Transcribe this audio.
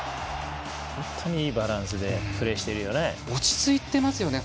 本当にいいバランスでプレーしていますよね。